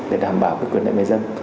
để đảm bảo quyền lợi của người dân